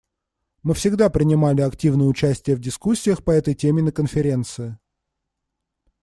Мы всегда принимали активное участие в дискуссиях по этой теме на Конференции.